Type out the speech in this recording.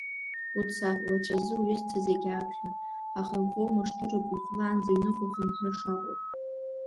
Уца, уаҵәазы уҩызцәа зегьы ааԥхьа, аха, иухоумыршҭыроуп, ихәлаанӡа аҩныҟа ухынҳәыр шакәу.